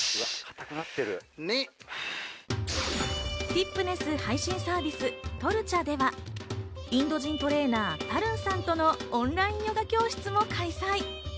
ティップネス配信サービスｔｏｒｃｉａでは、インド人トレーナー、タルンさんとのオンラインヨガ教室も開催。